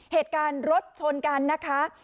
เหตุการณ์รถชนกันนะคะ